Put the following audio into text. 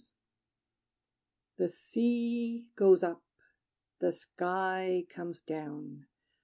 The sea goes up; the sky comes down.